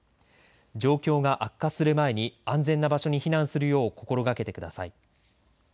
状況が悪化する前に安全な場所に避難するよう心がけてください。